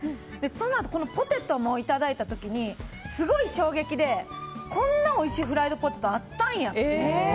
そのあとポテトもいただいた時にすごい衝撃でこんなおいしいフライドポテトがあったんやって。